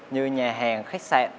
như nhà hàng khách sạn